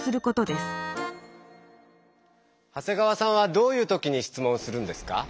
長谷川さんはどういうときに質問するんですか？